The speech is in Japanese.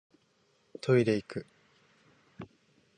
トイレいく